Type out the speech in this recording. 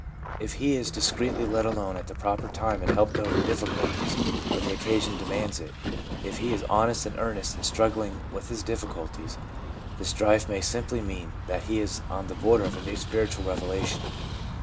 If he is discreetly let alone at the proper time and helped over difficulties when the occasion demands it, if he is honest and earnest in struggling with his difficulties, the strife may simply mean that he is on the border of a new spiritual revelation.